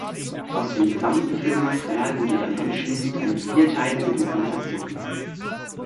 Aus dem gesamten Filmmaterial wurde dann anschließend eine vierteilige Dokumentation.